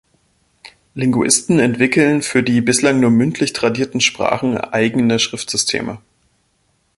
Linguisten entwickeln für die bislang nur mündlich tradierten Sprachen eigene Schriftsysteme.